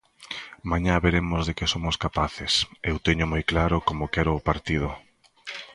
Mañá veremos de que somos capaces, eu teño moi claro como quero o partido.